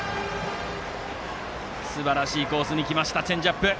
すばらしいコースに来ましたチェンジアップ。